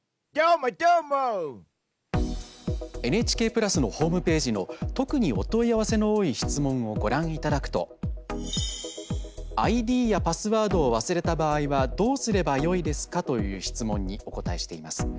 ＮＨＫプラスのホームページの「特にお問い合わせの多い質問」をご覧いただくとＩＤやパスワードを忘れた場合はどうすればよいですか？という質問にお答えしています。